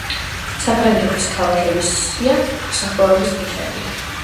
საფრანგეთის ქალაქების სია მოსახლეობის მიხედვით.